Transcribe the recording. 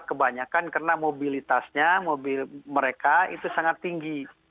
kebanyakan karena mobilitasnya mobil mereka itu sangat tinggi